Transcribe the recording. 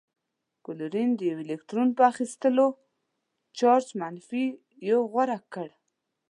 کلورین د یوه الکترون په اخیستلو چارج منفي یو غوره کړی دی.